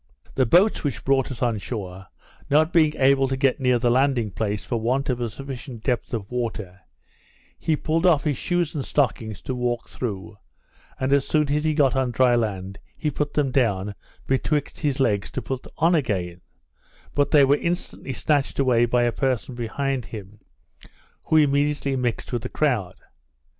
The boats which brought us on shore, not being able to get near the landing place for want of a sufficient depth of water, he pulled off his shoes and stockings to walk through, and as soon as he got on dry land, he put them down betwixt his legs to put on again, but they were instantly snatched away by a person behind him, who immediately mixed with the crowd.